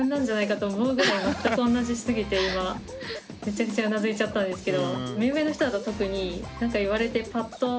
もうめちゃくちゃうなずいちゃったんですけど。